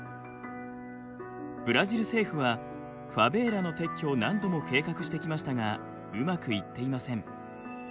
ブラジル政府はファベーラの撤去を何度も計画してきましたがうまくいっていません。